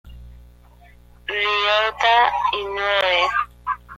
Ryota Inoue